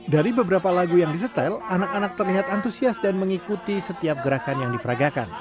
dari beberapa lagu yang disetel anak anak terlihat antusias dan mengikuti setiap gerakan yang diperagakan